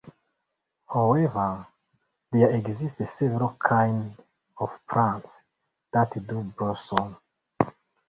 However, there exist several kind of plants that do blossom.